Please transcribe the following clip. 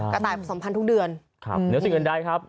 กระต่ายผสมพันธ์ทุกเดือนครับเหนือสิ่งอื่นใดครับ